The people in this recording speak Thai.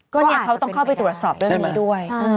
ก็เนี่ยเขาต้องเข้าไปตรวจสอบด้วย